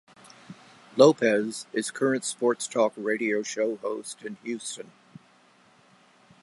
Lopez is a current sports talk radio show host in Houston.